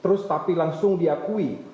terus tapi langsung diakui